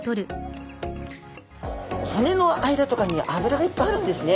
骨の間とかにあぶらがいっぱいあるんですね。